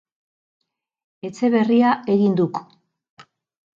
Etxe berria egin duk!